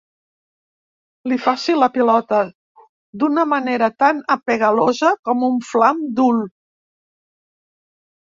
Li faci la pilota d'una manera tan apegalosa com un flam Dhul.